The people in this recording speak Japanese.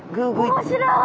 面白い。